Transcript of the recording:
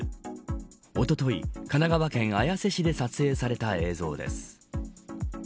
おととい、神奈川県綾瀬市で撮影された映像です。